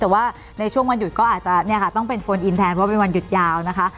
แต่เวลาวันยุดจะมาต้องโฟนอินเพราะว่าเป็นวันยุดยาวนะคะ